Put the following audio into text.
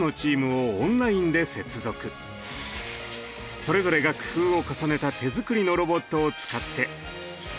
それぞれが工夫を重ねた手づくりのロボットを使って。